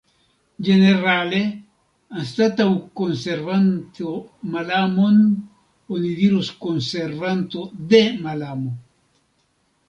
Ĝenerale, anstataŭ konservanto malamon, oni dirus konservanto de malamo.